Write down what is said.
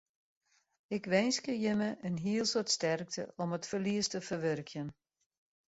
Ik winskje jimme in hiel soad sterkte om it ferlies te ferwurkjen.